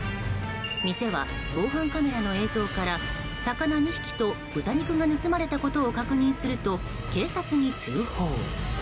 店は防犯カメラの映像から魚２匹と豚肉が盗まれたことを確認すると、警察に通報。